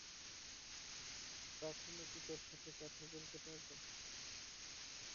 তখনও কি তোর সাথে কথা বলতে পারবো?